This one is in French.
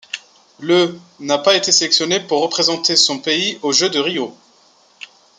Le ' n'a pas été sélectionné pour représenter son pays aux Jeux de Rio.